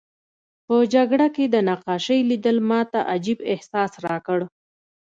په جګړه کې د نقاشۍ لیدل ماته عجیب احساس راکړ